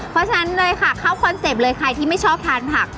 เพราะฉะนั้นเลยค่ะเข้าคอนเซ็ปต์เลยใครที่ไม่ชอบทานผัก